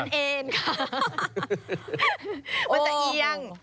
มันจะเอียง